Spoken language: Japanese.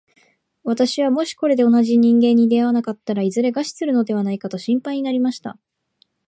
私はもしこれで同じ人間に出会わなかったら、いずれ餓死するのではないかと心配になりました。